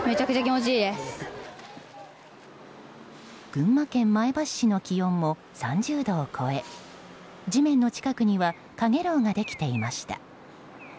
群馬県前橋市の気温も３０度を超え地面の近くにはかげろうができていました。